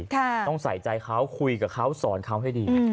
ต้องใส่ใจเขาคุยกับเขาสอนเขาให้ดี